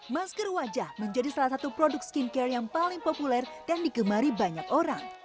masker wajah menjadi salah satu produk skincare yang paling populer dan digemari banyak orang